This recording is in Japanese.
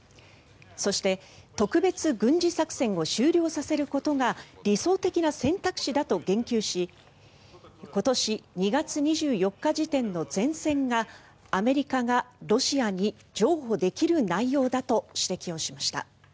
そして特別軍事作戦を終了させることが理想的な選択肢だと言及し今年２月２４日時点の前線がアメリカがロシアに譲歩できる内容だと指摘をしました。